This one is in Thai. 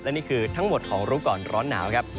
นี่คือทั้งหมดของรู้ก่อนร้อนหนาวครับ